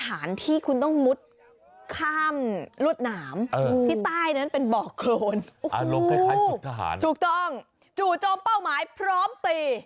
อารมณ์คล้ายคลิกทหารถูกต้องจู่โจมเป้าหมายพร้อมตี